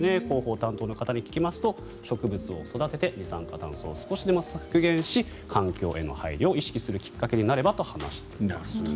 広報担当の方に聞きますと植物を育てて二酸化炭素を少しでも削減し環境への配慮を意識するきっかけになればと話しています。